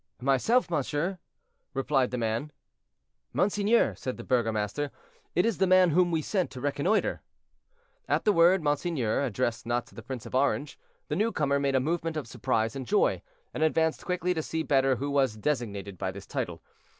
"Myself, monsieur," replied the man. "Monseigneur," said the burgomaster, "it is the man whom we sent to reconnoiter." At the word "monseigneur," addressed not to the Prince of Orange, the new comer made a movement of surprise and joy, and advanced quickly to see better who was designated by this title.